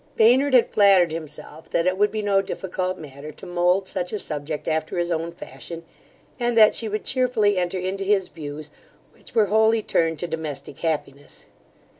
Baynard had flattered himself, that it would be no difficult matter to mould such a subject after his own fashion, and that she would chearfully enter into his views, which were wholly turned to domestic happiness.